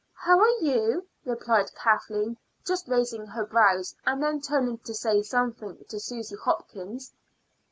"How are you?" replied Kathleen, just raising her brows, and then turning to say something to Susy Hopkins.